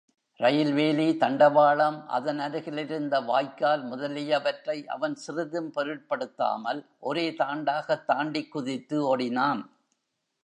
ரயில் வேலி, தண்டவாளம், அதனருகிலிருந்த வாய்க்கால் முதலியவற்றை அவன் சிறிதும் பொருட்படுத்தாமல் ஒரே தாண்டாக தாண்டி குதித்து ஓடினான்.